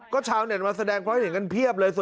ก็ชาวเน็ตมาแสดงความเห็นกันเพียบเลย